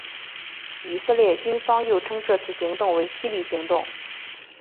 以色列军方又称这次行动为霹雳行动。